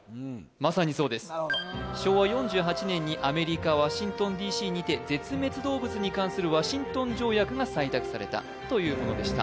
まさにそうですなるほど昭和４８年にアメリカワシントンＤ．Ｃ．にて絶滅動物に関するワシントン条約が採択されたというものでした